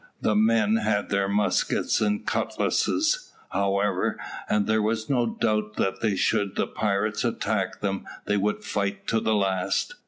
The men had their muskets and cutlasses, however, and there was no doubt but that should the pirates attack them, they would fight to the last.